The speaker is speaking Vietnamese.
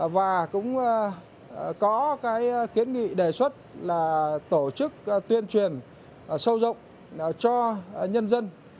và cũng có cái kiến nghị đề xuất là tổ chức tuyên truyền sâu rộng cho nhân dân